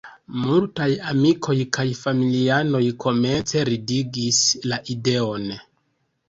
Multaj amikoj kaj familianoj komence ridigis la ideon.